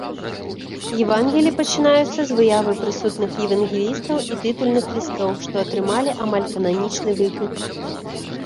Евангеллі пачынаюцца з выявы прысутных евангелістаў і тытульных лістоў, што атрымалі амаль кананічны выгляд.